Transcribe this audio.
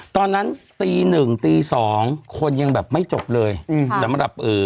ตอนนั้นตีหนึ่งตีสองคนยังแบบไม่จบเลยอืมสำหรับเอ่อ